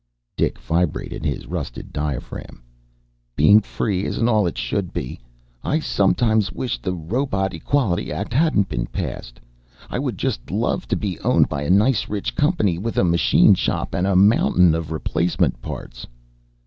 Dik vibrated his rusted diaphragm. "Being free isn't all it should be. I some times wish the Robot Equality Act hadn't been passed. I would just l love to be owned by a nice rich company with a machine shop and a mountain of replacement parts."